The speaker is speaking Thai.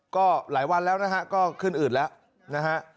ก็หลายวันแล้วนะฮะก็ขึ้นอืดแล้วนะฮะ